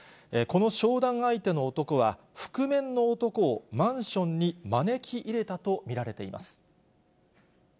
この商談相手の男は、覆面の男をマンションに招き入れたと見られています。